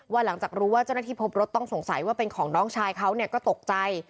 หลังจากรู้ว่าเจ้าหน้าที่พบรถต้องสงสัยว่าเป็นของน้องชายเขาก็ตกใจ